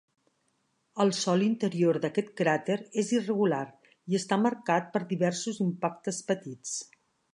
El sòl interior d'aquest cràter és irregular, i està marcat per diversos impactes petits.